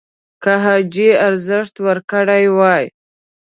که حاجي ارزښت ورکړی وای